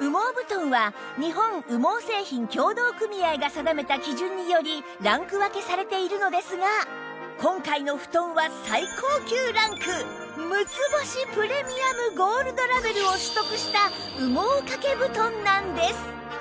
羽毛布団は日本羽毛製品協同組合が定めた基準によりランク分けされているのですが今回の布団は最高級ランク６つ星プレミアムゴールドラベルを取得した羽毛掛け布団なんです